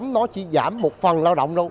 nó chỉ giảm một phần lao động đâu